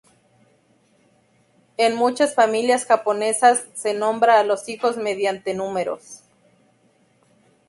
En muchas familias japonesas se nombra a los hijos mediante números.